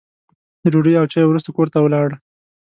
د ډوډۍ او چایو وروسته کور ته ولاړ.